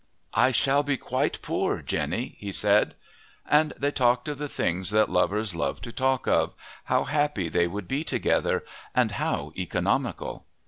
"I shall be quite poor, Jenny!" he said. And they talked of the things that lovers love to talk of, how happy they would be together and how economical.